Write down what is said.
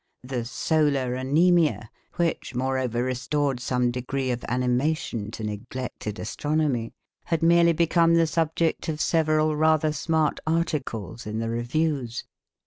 The "solar anæmia," which moreover restored some degree of animation to neglected astronomy, had merely become the subject of several rather smart articles in the reviews.